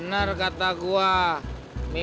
nang maltas dunia ini